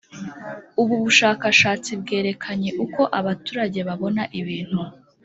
Ubu bushakashatsi bwerekanye uko abaturage babona ibintu